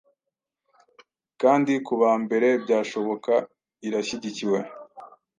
kandikubambere byashoboka irashyigikiwe